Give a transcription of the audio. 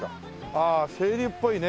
ああ清流っぽいね。